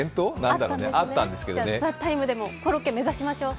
じゃあ「ＴＨＥＴＩＭＥ，」でもコロッケ、目指しましょう。